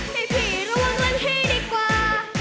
ให้พี่ระวังลั่งให้ดีกว่า